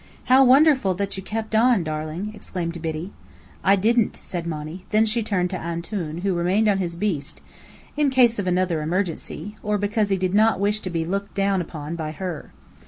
"How wonderful that you kept on, darling!" exclaimed Biddy. "I didn't," said Monny. Then she turned to "Antoun," who remained on his beast, in case of another emergency, or because he did not wish to be looked down upon by her.